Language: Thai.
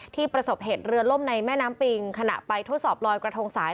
ประสบเหตุเรือล่มในแม่น้ำปิงขณะไปทดสอบลอยกระทงสาย